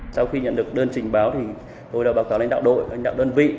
sau khi nhận được đơn trình báo thì tôi đã báo cáo lãnh đạo đội lãnh đạo đơn vị